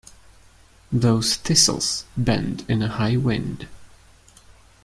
Those thistles bend in a high wind.